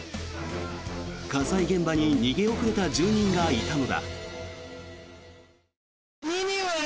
火災現場に逃げ遅れた住人がいたのだ。